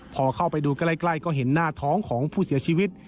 พอเข้าไปดูใกล้ก็เห็นหน้าท้องของผู้เสียชีวิต